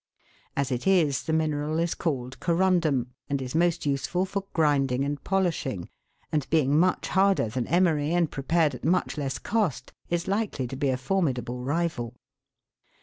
As it is, the mineral is called corundum, and is most useful for grinding and polishing, and, being much harder than emery, and prepared at much less cost, is likely to be a formidable rival.